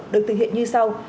được thực hiện như sau